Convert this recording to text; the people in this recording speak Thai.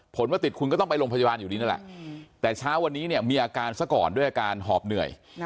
ว่าติดคุณก็ต้องไปโรงพยาบาลอยู่นี้นั่นแหละแต่เช้าวันนี้เนี่ยมีอาการซะก่อนด้วยอาการหอบเหนื่อย